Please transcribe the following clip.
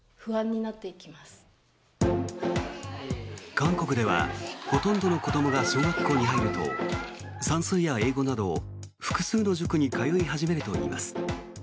韓国では、ほとんどの子どもが小学校に入ると算数や英語など複数の塾に通い始めるといいます。